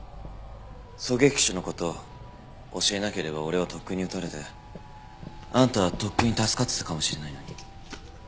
狙撃手の事教えなければ俺はとっくに撃たれてあんたはとっくに助かってたかもしれないのに。